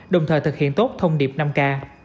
đồng thời thực hiện tốt thông điệp năm k